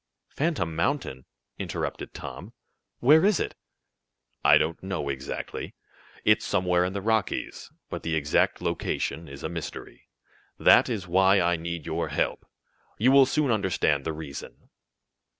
"Phantom Mountain?" interrupted Tom. "Where is it?" "I don't know, exactly it's somewhere in the Rockies, but the exact location is a mystery. That is why I need your help. You will soon understand the reason.